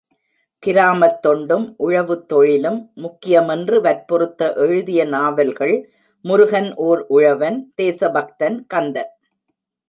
கிராமத் தொண்டும் உழவுத்தொழிலும் முக்கியமென்று வற்புறுத்த எழுதிய நாவல்கள் முருகன் ஓர் உழவன் தேசபக்தன் கந்தன்.